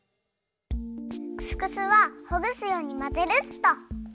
クスクスはほぐすようにまぜるっと。